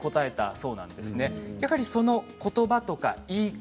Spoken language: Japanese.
そのことばとか言い方